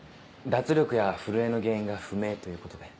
脱力や震えの原因が不明ということで。